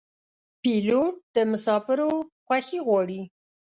پیلوټ د مسافرو خوښي غواړي.